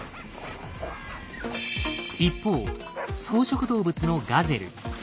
一方草食動物の「ガゼル」。